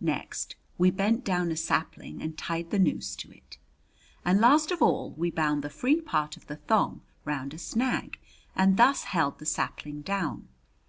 Next we bent down a sapling and tied the noose to it, and last of all we bound the free part of the thong round a snag and thus held the sapling down.